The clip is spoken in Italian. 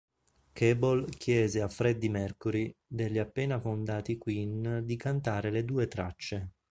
Cable chiese a Freddie Mercury degli appena fondati Queen di cantare le due tracce.